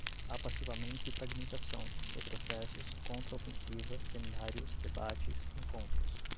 Apassivamento e fragmentação, retrocessos, contraofensiva, seminários, debates, encontros